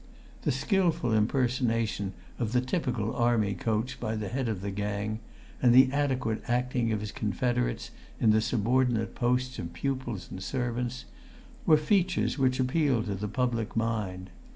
The skilful impersonation of the typical Army coach by the head of the gang, and the adequate acting of his confederates in the subordinate posts of pupils and servants, were features which appealed to the public mind.